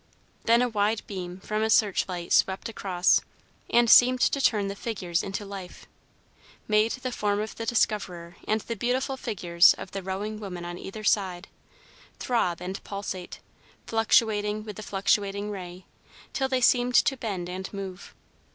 Then a wide beam from a search light swept across, and seemed to turn the figures into life; made the form of the Discoverer and the beautiful figures of the rowing women on either side, throb and pulsate, fluctuating with the fluctuating ray, till they seemed to bend and move.